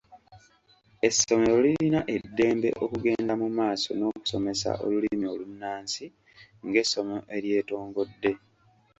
Essomero lirina eddembe okugenda mu maaso n’okusomesa olulimi olunnansi ng’essomo eryetongodde.